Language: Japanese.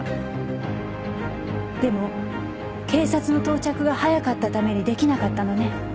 でも警察の到着が早かったためにできなかったのね。